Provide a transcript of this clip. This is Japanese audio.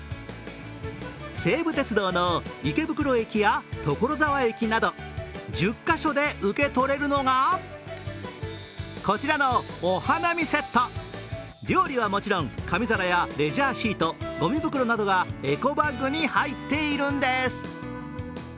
西武鉄道の池袋駅や所沢駅など１０か所で受け取れるのがこちらのお花見セット料理はもちろん紙皿やレジャーシート、ごみ袋などがエコバッグに入っているんです。